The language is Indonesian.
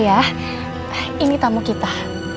ayah ini tamu kita